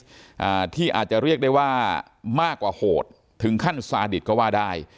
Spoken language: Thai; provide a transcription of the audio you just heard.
อ่าที่อาจจะเรียกได้ว่ามากกว่าโหดถึงขั้นซาดิตก็ว่าได้